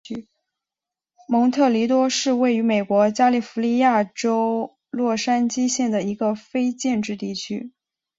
蒙特尼多是位于美国加利福尼亚州洛杉矶县的一个非建制地区。